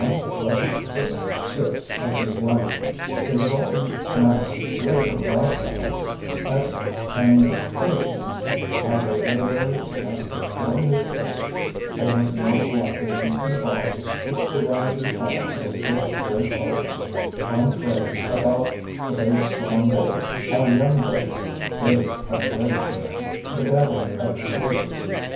of the pleasantest sits" of his life.' The resultant mass of political broad sides, essays, and criticisms either lit erary, domestic, or musical they have now collected in two volumes which de rive their title from the good grey poet's own phrase about "the big strong days— our young days— days of preparation: the gathering of the forces".